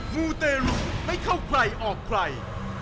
มูเตรุไม่เข้าใครออกใคร